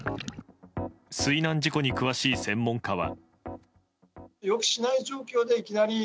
水難事故に詳しい専門家は。